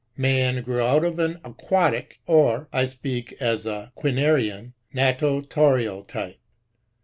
Man grew out an Aquatic, or (I speak as a Quinarian) a Natato rial type.